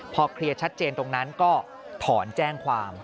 พอเคลียร์ชัดเจนตรงนั้นก็ถอนแจ้งความ